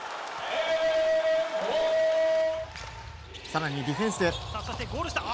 更にディフェンス。